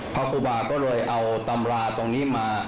ครูบาก็เลยเอาตำราตรงนี้มา